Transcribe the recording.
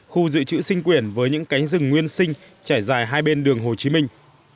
khu dự trữ sinh quyển với những cánh rừng nguyên sinh trải dài hai bên đường hồ chí minh